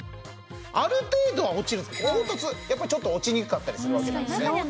ある程度は落ちるんですけど凹凸やっぱり落ちにくかったりするわけなんですね。